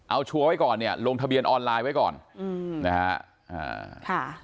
เอาชัวร์ไว้ก่อนเนี่ยลงทะเบียนออนไลน์ไว้ก่อนอืมนะฮะ